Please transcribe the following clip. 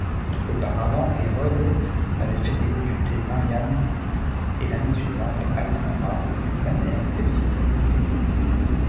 Auparavant Hérode avait fait exécuter Mariamne et, l'année suivante, Alexandra, la mère de celle-ci.